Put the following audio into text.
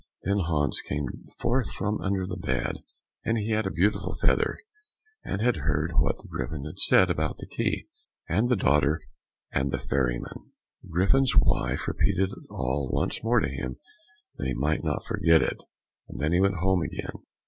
Then Hans came forth from under the bed, and he had a beautiful feather, and had heard what the Griffin had said about the key, and the daughter, and the ferry man. The Griffin's wife repeated it all once more to him that he might not forget it, and then he went home again.